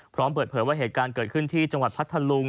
พร้อมเปิดเผยว่าเหตุการณ์เกิดขึ้นที่จังหวัดพัทธลุง